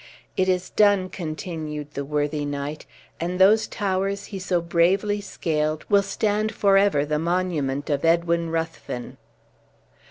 "It is done," continued the worthy knight, "and those towers he so bravely scaled with stand forever the monument of Edwin Ruthven."